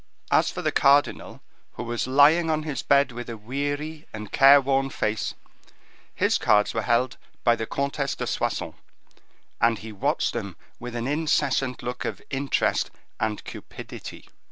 As for the cardinal, who was lying on his bed with a weary and careworn face, his cards were held by the Comtesse de Soissons, and he watched them with an incessant look of interest and cupidity.